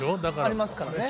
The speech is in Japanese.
ありますからね。